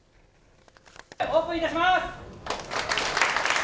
オープンいたします。